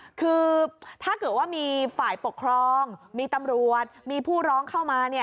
คือถ้าเกิดว่ามีฝ่ายปกครองมีตำรวจมีผู้ร้องเข้ามา